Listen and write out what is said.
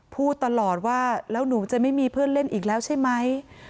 พูดตลอดว่าแล้วหนูจะไม่มีเพื่อนเล่นอีกแล้วใช่ไหม